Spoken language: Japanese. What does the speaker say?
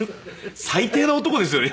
最低な男ですよね